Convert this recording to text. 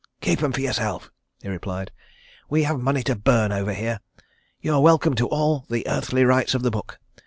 "Keep 'em for yourself," he replied. "We have money to burn over here. You are welcome to all the earthly rights of the book.